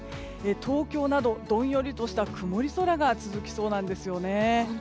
東京などどんよりとした曇り空が続きそうなんですよね。